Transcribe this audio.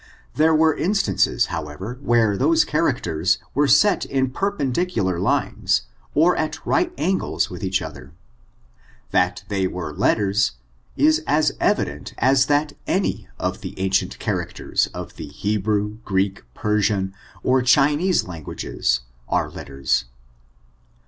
There were instances, however, where those chanu> tors were set in perpendicular lines, or at right angles v/ith the others. That they were letters, is as evi dent as that any of the ancient characters of the He brew, Greek, Persian, or Chinese latiguages, are let ters.